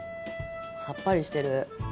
さっぱりしてる。